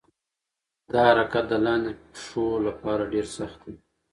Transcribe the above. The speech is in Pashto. دا حرکت د لاندې پښو لپاره ډېر سخت دی.